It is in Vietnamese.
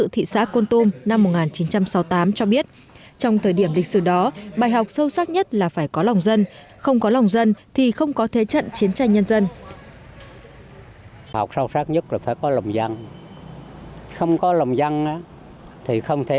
tỉnh ủy con tùm đã lãnh đạo quân và dân trong tỉnh con tùm đã lãnh đạo quân và dân trong tỉnh